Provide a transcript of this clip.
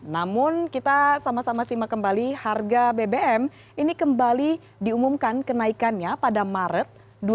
namun kita sama sama simak kembali harga bbm ini kembali diumumkan kenaikannya pada maret dua ribu dua puluh